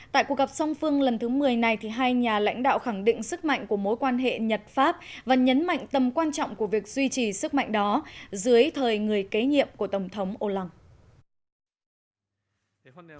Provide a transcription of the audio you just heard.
tại cuộc gặp song phương lần thứ một mươi này hai nhà lãnh đạo khẳng định sức mạnh của mối quan hệ nhật pháp và nhấn mạnh tầm quan trọng của việc duy trì sức mạnh đó dưới thời người kế nhiệm của tổng thống olaf